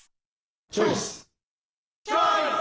チョイス！